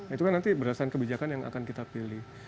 itu kan nanti berdasarkan kebijakan yang akan kita pilih